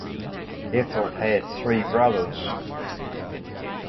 Ethel had three brothers.